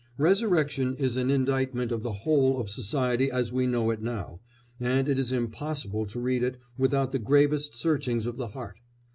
Resurrection is an indictment of the whole of society as we know it now, and it is impossible to read it without the gravest searchings of the heart.